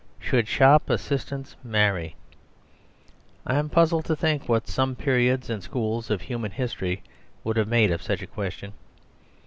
"Should Shop Assistants Marry?" I am puzzled to think what some periods and schools of human history would have made of such a question.